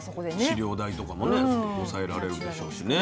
飼料代とかもね抑えられるんでしょうしね。